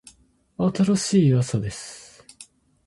新しい朝です。